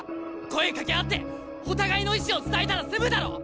声かけ合ってお互いの意思を伝えたら済むだろ！